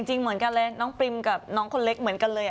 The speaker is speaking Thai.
จริงเหมือนกันเลยน้องปริมกับน้องคนเล็กเหมือนกันเลย